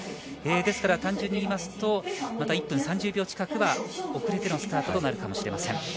ですから、単純に言いますと１分３０秒近くは遅れてのスタートとなるかもしれません。